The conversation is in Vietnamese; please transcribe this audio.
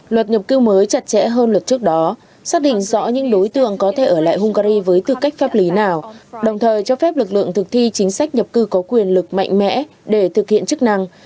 luật nhập cư mới chặt chẽ hơn luật trước đó xác định rõ những đối tượng có thể ở lại hungary với tư cách pháp lý nào đồng thời cho phép lực lượng thực thi chính sách nhập cư có quyền lực mạnh mẽ để thực hiện chức năng